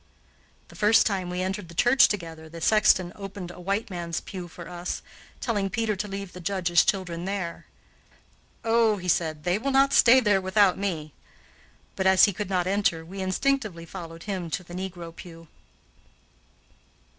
The first time we entered the church together the sexton opened a white man's pew for us, telling Peter to leave the Judge's children there. "Oh," he said, "they will not stay there without me." But, as he could not enter, we instinctively followed him to the negro pew.